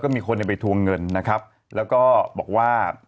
มีคนไปทวงเงินนะครับแล้วก็บอกว่า